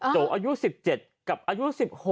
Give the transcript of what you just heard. โจอายุ๑๗กับอายุ๑๖